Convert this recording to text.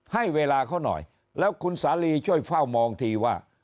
ให้เวลาเขาหน่อยแล้วคุณสาลีช่วยเฝ้ามองทีว่า